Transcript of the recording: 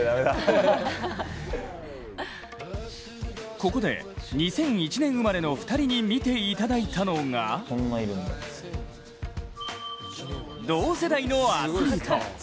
ここで２００１年生まれの２人に見ていただいたのが同世代のアスリート。